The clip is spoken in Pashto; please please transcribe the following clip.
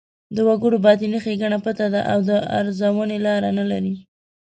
د وګړو باطني ښېګڼه پټه ده او د ارزونې لاره نه لري.